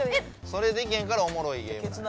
それできへんからおもろいゲーム。